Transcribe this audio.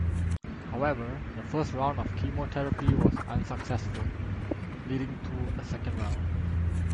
However, the first round of chemotherapy was unsuccessful, leading to a second round.